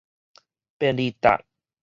便利貼